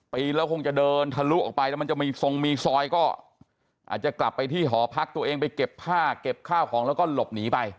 ปีนแล้วคงจะเดินทะลุออกไปแล้วมันจะมีทรงมีซอยก็อาจจะกลับไปที่หอพักตัวเองไปเก็บผ้าเก็บข้าวของแล้วก็หลบหนีไป